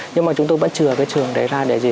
nhưng mà chúng tôi vẫn trừ cái trường đấy ra để gì